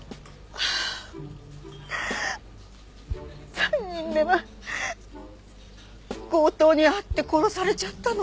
ああ３人目は強盗に遭って殺されちゃったの。